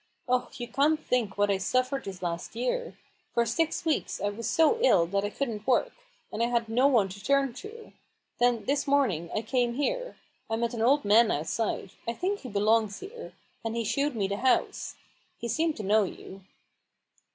Oh, you can't think what I've suffered this last year ! For six weeks I was so ill that I couldn't work, and I had no one to turn to* Then this morning I came here. I met an old man outside — I think he belongs here — and he shewed me the house. He seemed to know you."